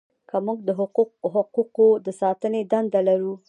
که موږ د حقوقو د ساتنې دنده لرو.